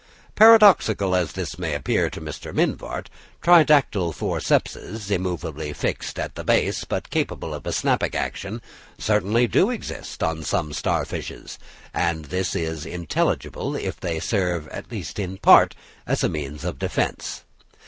Paradoxical as this may appear to Mr. Mivart, tridactyle forcepses, immovably fixed at the base, but capable of a snapping action, certainly exist on some star fishes; and this is intelligible if they serve, at least in part, as a means of defence.